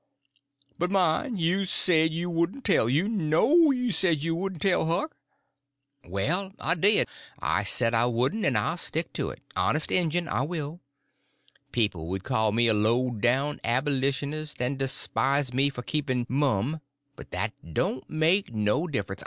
"But mind, you said you wouldn' tell—you know you said you wouldn' tell, Huck." "Well, I did. I said I wouldn't, and I'll stick to it. Honest injun, I will. People would call me a low down Abolitionist and despise me for keeping mum—but that don't make no difference.